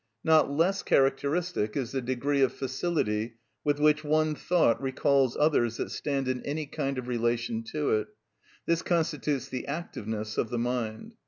Not less characteristic is the degree of facility with which one thought recalls others that stand in any kind of relation to it: this constitutes the activeness of the mind.